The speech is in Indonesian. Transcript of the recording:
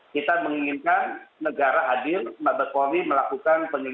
kita menginginkan negara hadir mabes polri melakukan penyelidikan